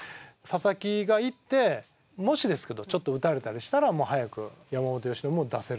佐々木がいってもしですけどちょっと打たれたりしたら早く山本由伸も出せると。